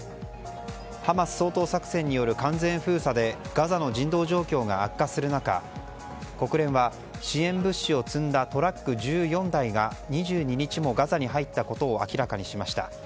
ハマス掃討作戦による完全封鎖でガザの人道状況が悪化する中国連は、支援物資を積んだトラック１４台が２２日もガザに入ったことを明らかにしました。